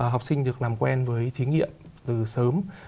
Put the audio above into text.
học sinh được làm quen với thí nghiệm từ sớm